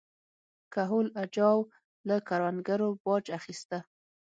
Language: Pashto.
کهول اجاو له کروندګرو باج اخیسته.